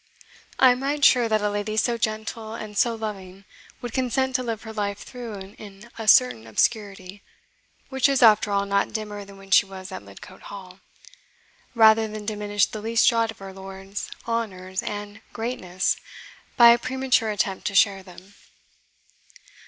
I am right sure that a lady so gentle and so loving would consent to live her life through in a certain obscurity which is, after all, not dimmer than when she was at Lidcote Hall rather than diminish the least jot of her lord's honours and greatness by a premature attempt to share them."